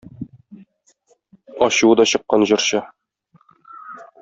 Ачуы да чыккан җырчы.